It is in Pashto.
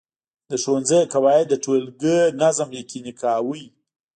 د ښوونځي قواعد د ټولګي نظم یقیني کاوه.